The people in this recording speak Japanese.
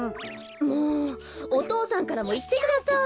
もうお父さんからもいってください！